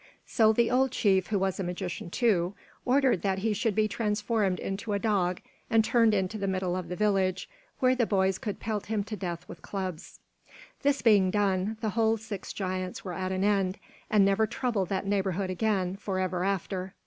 So the old chief, who was a magician too, ordered that he should be transformed into a dog and turned into the middle of the village, where the boys could pelt him to death with clubs. This being done, the whole six giants were at an end, and never troubled that neighborhood again, forever after.